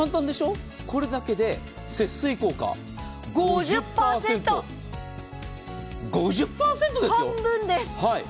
これだけで節水効果５０％ですよ！